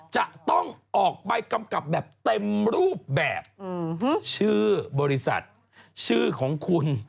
จะต้องออกใบกำกับแบบเต็มรูปแบบชื่อบริษัทชื่อของคุณ